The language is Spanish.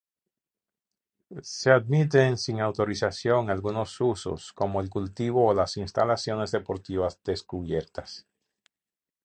Se admiten sin autorización algunos usos, como el cultivo o las instalaciones deportivas descubiertas.